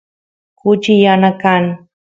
kuchi yana kan